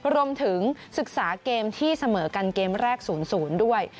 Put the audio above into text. รวมถึงศึกษาเกมที่เสมอกันเกมแรก๐๐ด้วย